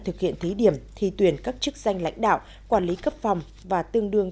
thực hiện thí điểm thi tuyển các chức danh lãnh đạo quản lý cấp phòng và tương đương